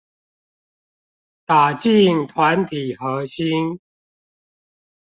打進團體核心